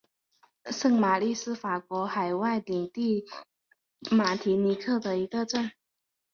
圣玛丽是法国海外领地马提尼克的一个镇。